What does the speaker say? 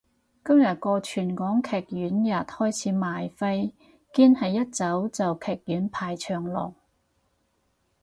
今日個全港戲院日開始賣飛，堅係一早就戲院排長龍